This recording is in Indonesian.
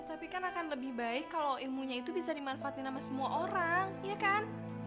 tapi kan akan lebih baik kalau ilmunya itu bisa dimanfaatin sama semua orang ya kan